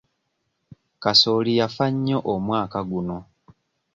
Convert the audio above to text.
Kasooli yafa nnyo omwaka guno.